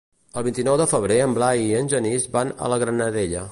El vint-i-nou de febrer en Blai i en Genís van a la Granadella.